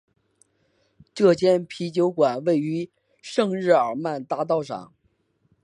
这间啤酒馆位于圣日耳曼大道上。